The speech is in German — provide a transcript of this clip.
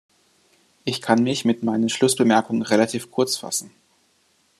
Ich kann mich mit meinen Schlussbemerkungen relativ kurz fassen.